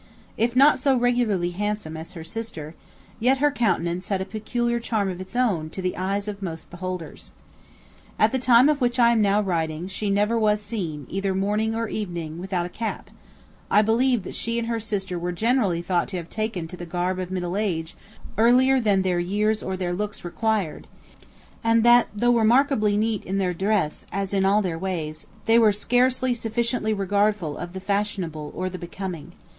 If not so regularly handsome as her sister, yet her countenance had a peculiar charm of its own to the eyes of most beholders. At the time of which I am now writing, she never was seen, either morning or evening, without a cap; I believe that she and her sister were generally thought to have taken to the garb of middle age earlier than their years or their looks required; and that, though remarkably neat in their dress as in all their ways, they were scarcely sufficiently regardful of the fashionable, or the becoming.